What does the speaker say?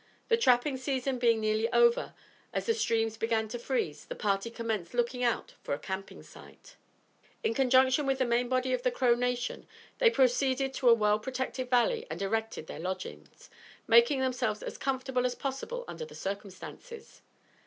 The trapping season being nearly over, as the streams began to freeze, the party commenced looking out for a camping site. In conjunction with the main body of the Crow nation they proceeded to a well protected valley and erected their lodges, making themselves as comfortable as possible under the circumstances.